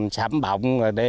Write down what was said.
sám bọng rồi đi